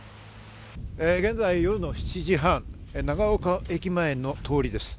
現在、夜の７時３０分、長岡駅前の通りです。